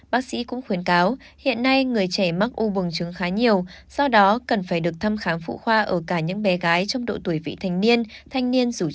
bác sĩ cũng khuyến cáo hiện nay người trẻ mắc u buồng trứng khá nhiều do đó cần phải được thăm khám phụ khoa ở cả những bé gái trong độ tuổi vị thanh niên thanh niên dù chưa kết hôn